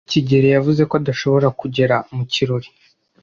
kigeli yavuze ko ashobora kugera mu kirori.